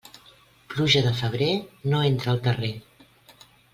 Pluja de febrer, no entra al terrer.